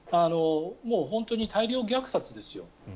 もう本当に大量虐殺ですよ。